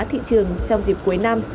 thị trường trong dịp cuối năm